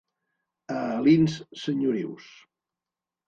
A Alins, senyorius.